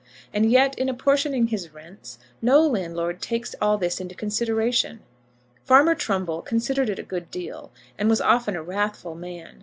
And yet in apportioning his rents, no landlord takes all this into consideration. Farmer Trumbull considered it a good deal, and was often a wrathful man.